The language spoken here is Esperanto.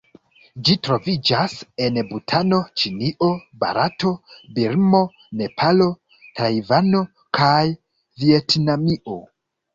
Ĝi troviĝas en Butano, Ĉinio, Barato, Birmo, Nepalo, Tajvano kaj Vjetnamio.